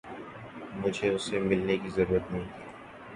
مجھے اسے ملنے کی ضرورت نہ تھی